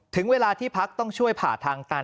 ถึงเวลาที่พักต้องช่วยผ่าทางตัน